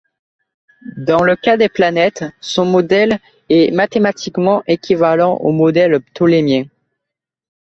Dans le cas des planètes, son modèle est mathématiquement équivalent au modèle ptoléméen.